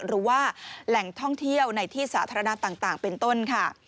หรือว่าแหล่งท่องเที่ยวในที่สาธารณะต่างเป็นต้นค่ะ